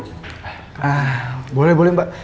ah boleh boleh mbak